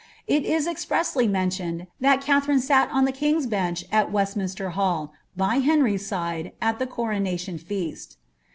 It is expressly mentioned that Katherine sat on the King's Bench at West^ minster Hall, by Henry's side, at the coronation feast.